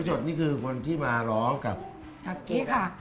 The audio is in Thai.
พิชฎนี่คือคนที่มาร้องกับทักคีก่ะ